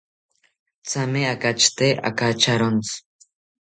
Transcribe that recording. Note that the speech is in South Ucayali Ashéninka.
Thame akachate akacharontzi